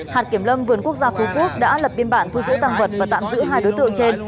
hạt kiểm lâm vườn quốc gia phú quốc đã lập biên bản thu giữ tăng vật và tạm giữ hai đối tượng trên